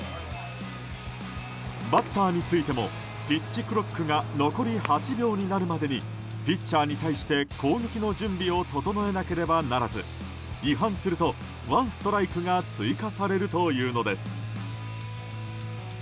バッターについてもピッチクロックが残り８秒になるまでにピッチャーに対して攻撃の準備を整えなければならず違反すると、ワンストライクが追加されるというのです。